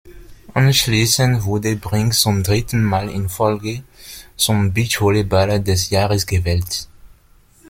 Anschließend wurde Brink zum dritten Mal in Folge zum Beachvolleyballer des Jahres gewählt.